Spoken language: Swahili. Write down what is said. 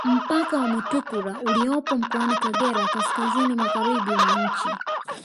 Mpaka wa Mutukula uliopo mkoani Kagera kaskazini magharibi mwa nchi